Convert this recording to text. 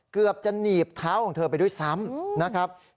เกือบจะหนีบเท้าของเธอไปด้วยซ้ำนะครับ